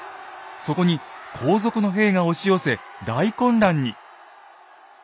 そこに後続の兵が押し寄せ大混乱に。